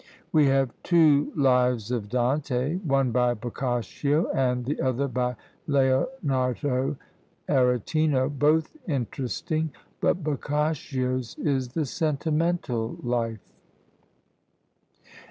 We have two Lives of Dante, one by Boccaccio and the other by Leonardo Aretino, both interesting: but Boccaccio's is the sentimental life!